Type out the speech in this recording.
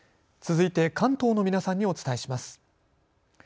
続いて関東の皆さんにお伝えします。